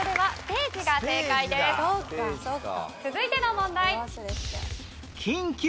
続いての問題。